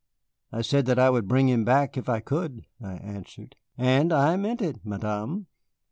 "I said that I would bring him back if I could," I answered, "and I meant it, Madame."